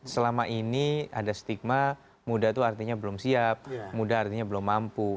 selama ini ada stigma muda itu artinya belum siap muda artinya belum mampu